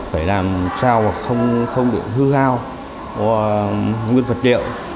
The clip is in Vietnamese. phải làm sao không bị hư hao nguyên vật liệu